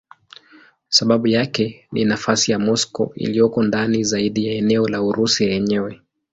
Sababu yake ni nafasi ya Moscow iliyoko ndani zaidi ya eneo la Urusi yenyewe.